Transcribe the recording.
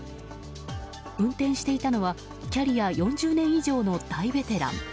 運転していたのはキャリア４０年以上の大ベテラン。